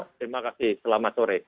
terima kasih selamat sore